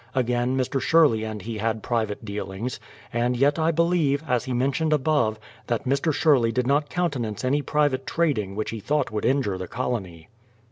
Again, Mr. Sher ley and he had private dealings; and yet I believe, as he mentioned above, that Mr. Sherley did not countenance any private trading which he thought would injure the colony.